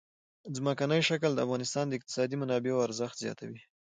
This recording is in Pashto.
ځمکنی شکل د افغانستان د اقتصادي منابعو ارزښت زیاتوي.